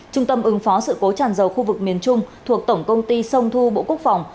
trung tâm ứng phó sự cố tràn dầu khu vực miền trung thuộc tổng công ty sông thu bộ quốc phòng